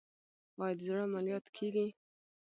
آیا د زړه عملیات کیږي؟